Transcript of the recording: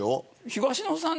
東野さん